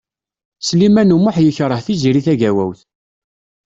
Sliman U Muḥ yekṛeh Tiziri Tagawawt.